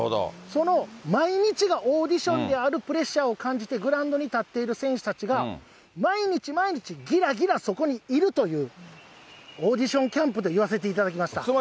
その毎日がオーディションであるプレッシャーを感じて、グラウンドに立っている選手たちが、毎日毎日、ぎらぎらそこにいるという、オーディションキャンプと言わせていただきました。